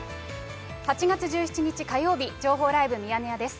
８月１７日火曜日、情報ライブミヤネ屋です。